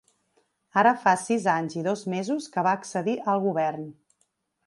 Ara fa sis anys i dos mesos que va accedir al govern.